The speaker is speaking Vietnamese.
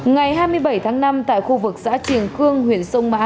ngày hai mươi bảy tháng năm tại khu vực xã triềng khương huyện sông mã